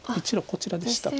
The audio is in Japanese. こちらでしたか。